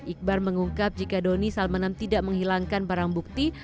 iqbar mengungkap jika doni salmanan tidak menghilangkan barang bukti